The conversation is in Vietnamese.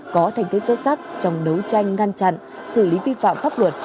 có thành tích xuất sắc trong đấu tranh ngăn chặn xử lý vi phạm pháp luật